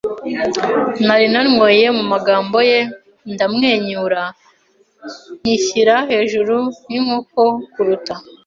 Nari nanyweye mumagambo ye ndamwenyura, nkishyira hejuru nkinkoko kurukuta,